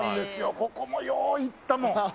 ここもよう行ったもん。